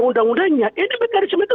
undang undangnya ini mekanisme itu